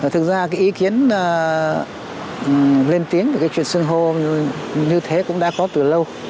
thực ra cái ý kiến lên tiếng về cái chuyện sưng hô như thế cũng đã có từ lâu